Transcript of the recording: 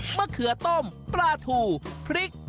มะเขือต้มปลาทูพริก